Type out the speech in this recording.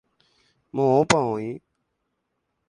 Moõpa oĩ.